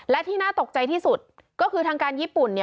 และที่น่าตกใจที่สุดก็คือทางการญี่ปุ่น